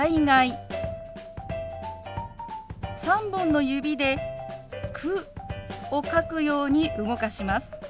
３本の指で「く」を書くように動かします。